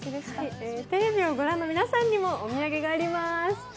テレビを御覧の皆さんにもお土産があります。